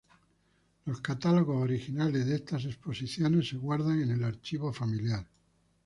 Los catálogos originales de estas exposiciones se guardan en el archivo familiar.